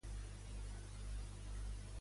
Quina declaració ha proferit?